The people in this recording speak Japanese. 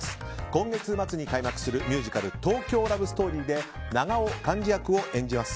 今月末に開幕するミュージカル「東京ラブストーリー」で永尾完治役を演じます